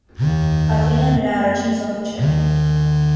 Կատրինան նրա առաջին զոհը չէր։